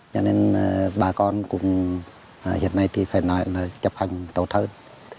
cho nên bà con cũng hiện nay thì phải nói là chấp hành tốt hơn